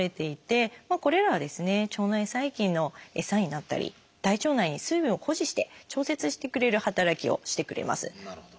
腸内細菌の餌になったり大腸内に水分を保持して調節してくれる働きをしてくれます。